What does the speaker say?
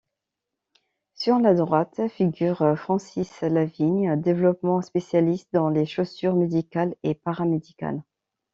Sur la droite figure Francis Lavigne Développement, spécialiste dans les chaussures médicales et paramédicales.